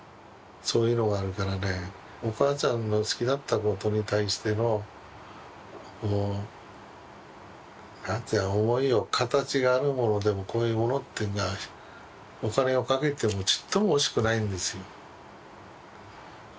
そういうのがあるからねお母ちゃんの好きだったことに対しての思いを形があるものでもこういうものっていうのはお金をかけてもちっとも惜しくないんですよ